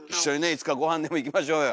いつか御飯でも行きましょうよ。